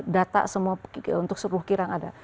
data semua untuk seluruh kilang ada